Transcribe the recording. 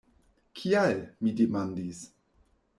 Kial? mi demandis.